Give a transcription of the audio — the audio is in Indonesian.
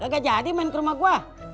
gak jadi main ke rumah gue